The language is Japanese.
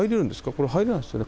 これ入れないですよね。